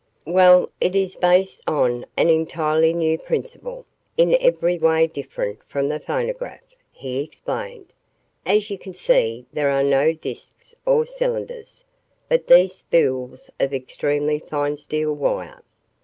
"Well, it is based on an entirely new principle, in every way different from the phonograph," he explained. "As you can see there are no discs or cylinders, but these spools of extremely fine steel wire.